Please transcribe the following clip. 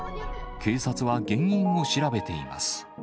警察は原因を調べています。